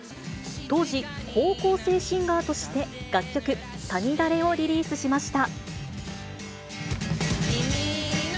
当時、高校生シンガーとして楽曲、五月雨をリリースしました。